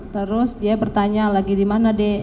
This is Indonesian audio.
terus dia bertanya lagi dimana dek